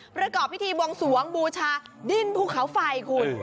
ประกอบพิธีบวงสวงบูชาดิ้นภูเขาไฟคุณ